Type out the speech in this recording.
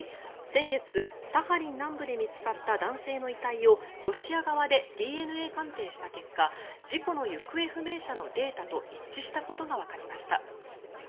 先月サハリン南部で見つかった男性の遺体をロシア側でＤＮＡ鑑定した結果事故の行方不明者のデータと一致したことがわかりました。